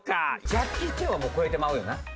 ジャッキー・チェンはもう超えてまうよな？